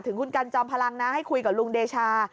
ถึงคุณกันจอมพลังนะให้คุยกับลุงเดชา